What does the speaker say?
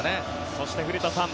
そして古田さん